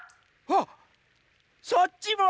あっそっちも！？